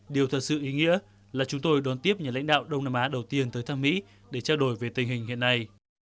điều thật sự ý nghĩa là chúng tôi đón tiếp nhà lãnh đạo đông nam á đầu tiên tới thăm mỹ để trao đổi về tình hình hiện nay